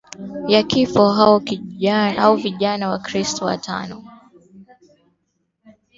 ya kifo Hao vijana Wakristo watano wakapelekwa katika uwanja wa michezo